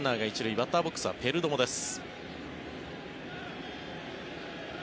バッターボックスはペルドモです。